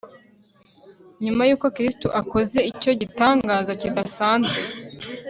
Nyuma yuko Kristo akoze icyo gitangaza kidasanzwe